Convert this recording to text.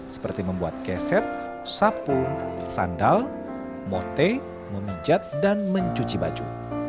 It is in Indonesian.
seperti membuat keset sapu sandal mote memijat dan mencuci baju